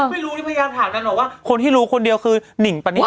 ไม่รู้พยายามถามนั้นเหรอว่าคนที่รู้คนเดียวคือนิ่งปะเนี้ย